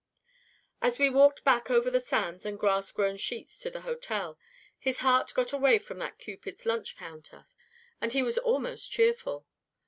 "As we walked back over the sands and grass grown streets to the hotel, his heart got away from that cupid's lunch counter, and he was almost cheerful.